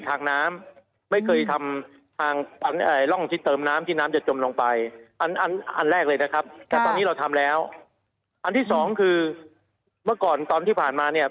ถ้ามีการเติมน้ำนึกฟับหรือเปล่านะฮะ